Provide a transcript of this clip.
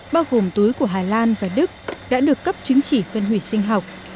bao gồm túi của hà lan và đức đã được cấp chứng chỉ phân hủy sinh học